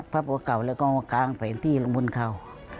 พับหัวเก่าแล้วก็กลางไปที่ลงบนเขา